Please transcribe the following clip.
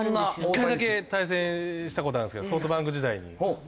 １回だけ対戦した事あるんですけどソフトバンク時代に。